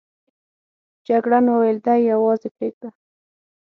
جګړن وویل دی یوازې پرېږده.